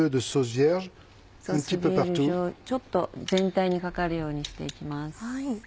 ちょっと全体にかかるようにして行きます。